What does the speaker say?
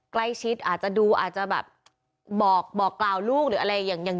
ใกล้ชิดอาจจะดูอาจจะแบบบอกบอกกล่าวลูกหรืออะไรอย่างอย่าง